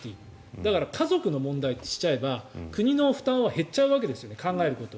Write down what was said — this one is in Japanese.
だから家族の問題ってしちゃえば国の負担は減っちゃうわけですよね考えることは。